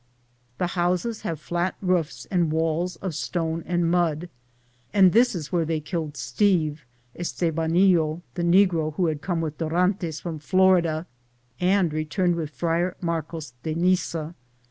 The houses have .Google THE JOURNEY OP CORONADO flat roofs and walls of stone and mud, and this was where they killed Steve (Esteba nillo), the negro who had come with Dorantes from Florida and returned with Friar Mar cos de Niza.